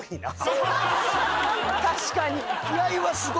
確かに！